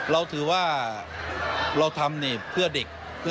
เราถือว่าเราทำเพื่อเด็ก